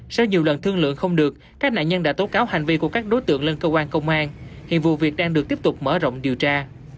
sau nhiều lần thương lượng không được các nạn nhân đã tố cáo hành vi của các đối tượng lên cơ quan công an hiện vụ việc đang được tiếp tục mở rộng điều tra